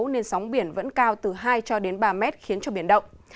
nên sóng biển vẫn cao từ hai ba mét khiến cho biển động